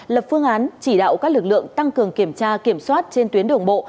lập phương án chỉ đạo các lực lượng tăng cường kiểm tra kiểm soát trên tuyến đường bộ